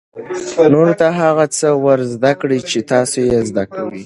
نورو ته هغه څه ور زده کړئ چې تاسو یې زده کوئ.